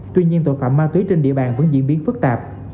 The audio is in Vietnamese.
tuy nhiên tội phạm ma túy trên địa bàn vẫn diễn biến phức tạp